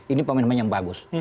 ini pemain pemain yang bagus